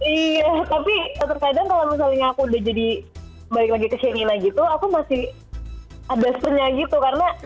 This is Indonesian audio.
iya tapi terkadang kalau misalnya aku udah jadi balik lagi ke senina gitu aku masih ada setenya gitu